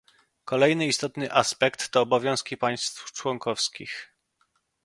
Kolejny istotny aspekt to obowiązki państw członkowskich